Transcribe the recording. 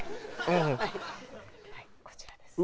うんはいこちらです